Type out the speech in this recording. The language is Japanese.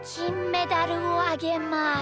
メダルをあげます。